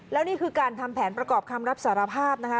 แล้วนี่คือการทำแผนประกอบคำรับสารภาพนะคะ